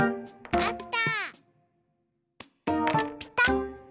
あった！